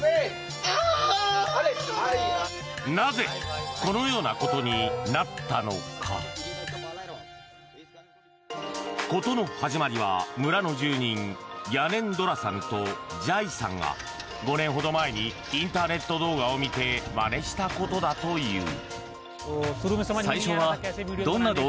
なぜ、このようなことになったのか。事の始まりは村の住人ギャネンドラさんとジャイさんが５年ほど前にインターネット動画を見てまねしたことだという。